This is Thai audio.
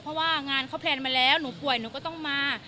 เพราะว่างานเขาแพลนมาแล้วหนูป่วยหนูก็ต้องมา